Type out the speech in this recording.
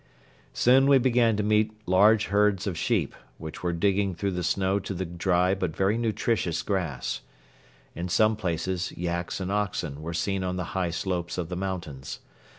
Soon we began to meet large herds of sheep, which were digging through the snow to the dry but very nutritious grass. In some places yaks and oxen were seen on the high slopes of the mountains.